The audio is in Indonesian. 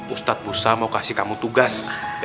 ustadz musa mau kasih kamu tugas